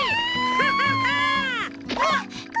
ハハハ！